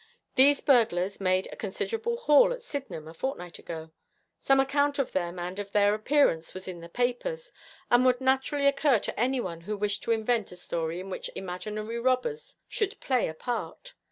These burglars made a considerable haul at Sydenham a fortnight ago. Some account of them and of their appearance was in the papers, and would naturally occur to anyone who wished to invent a story in which imaginary robbers should play a part.